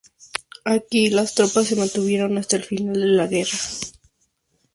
Aquí las tropas se mantuvieron hasta el final de la guerra.